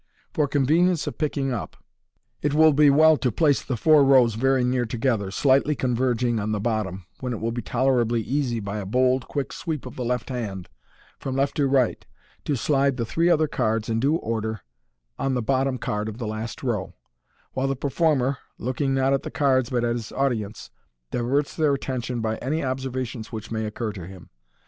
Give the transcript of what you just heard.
For convenience of picking up, it will be MODERN MAGIC. ©9 well to place the four rows very near together, slightly converging at the bottom, when it will be tolerably easy, by a bold, quick sweep of the left hand from left to right, to slide the three other cards in due order, on to the bottom card of the last row $ while the performer, looking not at the cards but at his audience, diverts their attention by any observations which may occur to him.